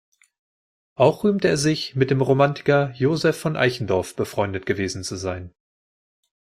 Auch rühmte er sich, mit dem Romantiker Joseph von Eichendorff befreundet gewesen zu sein.